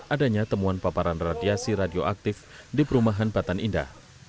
adanya temuan paparan radiasi radioaktif di perumahan batan indah